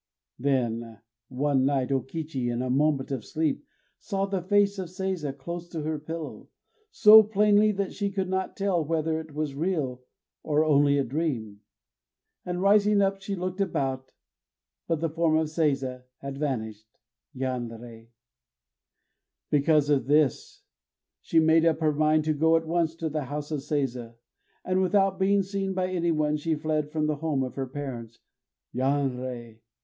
_ Then one night O Kichi, in a moment of sleep, saw the face of Seiza close to her pillow, so plainly that she could not tell whether it was real, or only a dream. And rising up, she looked about; but the form of Seiza had vanished. Yanrei! Because of this she made up her mind to go at once to the house of Seiza. And, without being seen by any one, she fled from the home of her parents. _Yanrei!